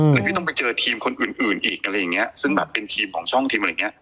แล้วพี่ต้องไปเจอทีมคนอื่นอีกซึ่งเป็นทีมของช่องทีม